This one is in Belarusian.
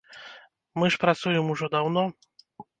Мы ж працуем ужо даўно.